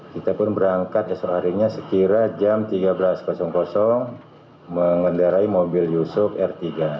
kita pun berangkat esok harinya sekira jam tiga belas mengendarai mobil yusuf r tiga